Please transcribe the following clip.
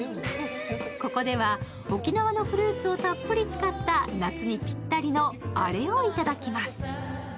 ここでは沖縄のフルーツをたっぷり使った夏にぴったりのアレをいただきます。